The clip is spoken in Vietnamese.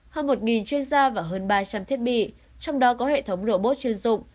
hơn một chuyên gia và hơn ba trăm linh thiết bị trong đó có hệ thống robot chuyên dụng